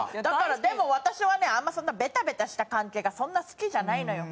でも私はねあんまりそんなベタベタした関係がそんな好きじゃないのよ。